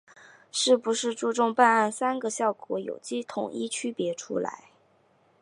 是不是注重办案‘三个效果’有机统一区别出来